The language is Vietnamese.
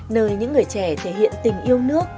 nơi những người trẻ thể hiện tình yêu nước